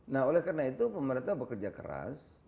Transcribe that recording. nah oleh karena itu pemerintah bekerja keras